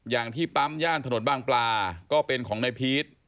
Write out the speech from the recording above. อย่างที่ปั๊มย่านถนนบางปลาก็เป็นของนายพีช